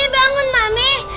mami bangun mami